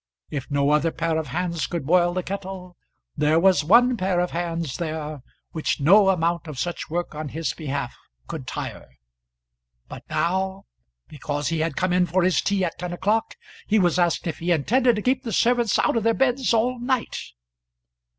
If no other pair of hands could boil the kettle, there was one pair of hands there which no amount of such work on his behalf could tire. But now, because he had come in for his tea at ten o'clock, he was asked if he intended to keep the servants out of their beds all night!